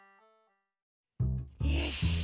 よし。